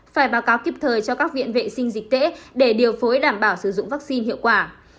phải báo cáo kịp thời cho các viện vệ sinh dịch tễ để điều phối đảm bảo sử dụng vaccine hiệu quả